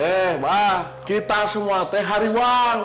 eh mah kita semua teh hari wang